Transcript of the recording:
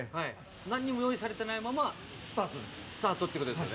何にも用意されてないままスタートってことですよね。